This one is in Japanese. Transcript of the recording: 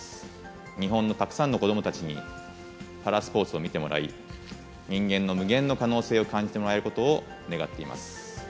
日本のたくさんの子どもたちに、パラスポーツを見てもらい、人間の無限の可能性を感じてもらえることを願っています。